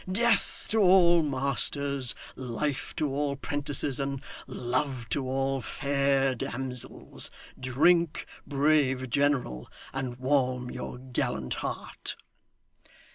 Death to all masters, life to all 'prentices, and love to all fair damsels. Drink, brave general, and warm your gallant heart!